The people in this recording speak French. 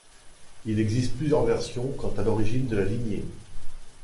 Il existe plusieurs versions quant à l'origine de la lignée.